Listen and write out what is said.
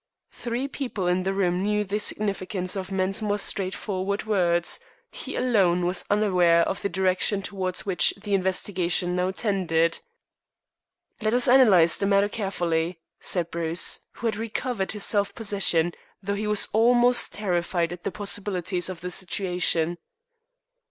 Three people in the room knew the significance of Mensmore's straightforward words; he alone was unaware of the direction towards which the investigation now tended. "Let us analyze the matter carefully," said Bruce, who had recovered his self possession, though he was almost terrified at the possibilities of the situation.